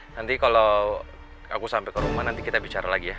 nanti kalau aku sampai ke rumah nanti kita bicara lagi ya